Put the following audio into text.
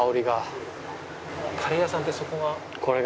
カレー屋さんってそこが。